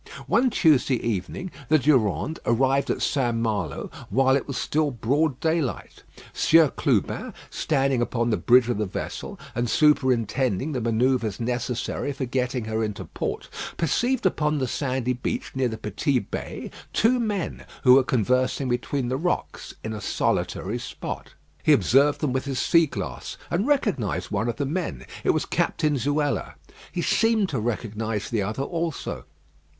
One Tuesday evening the Durande arrived at St. Malo while it was still broad daylight. Sieur Clubin, standing upon the bridge of the vessel, and superintending the manoeuvres necessary for getting her into port, perceived upon the sandy beach near the Petit Bey, two men, who were conversing between the rocks, in a solitary spot. He observed them with his sea glass, and recognised one of the men. It was Captain Zuela. He seemed to recognise the other also.